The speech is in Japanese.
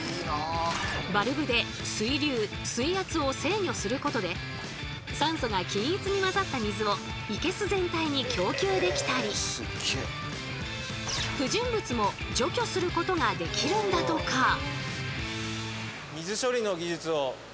バルブで水流水圧を制御することで酸素が均一に混ざった水を生け簀全体に供給できたり不純物も除去することができるんだとか。